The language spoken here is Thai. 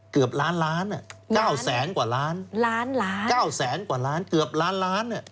เกือบล้านล้าน๙แสนกว่าล้าน